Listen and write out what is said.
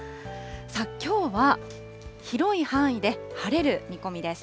きょうは広い範囲で晴れる見込みです。